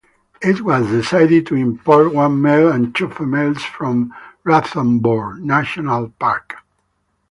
It was decided to import one male and two females from Ranthambore National Park.